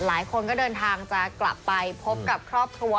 หลายคนก็เดินทางจะกลับไปพบกับครอบครัว